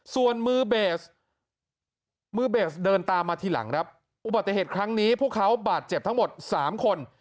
ส่วนมือเบสมือเบสเดินตามมาทีหลังครับอุบัติเหตุครั้งนี้พวกเขาบาดเจ็บทั้งหมด๓คน